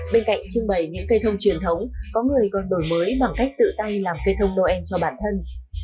bên cạnh trưng bày những cây thông truyền thống có người còn đổi mới bằng cách tự tay làm cây thông noel cho bản thân